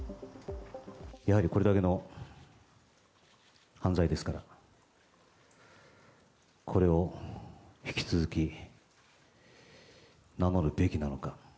やはりこれだけの犯罪ですから、これを引き続き名乗るべきなのか。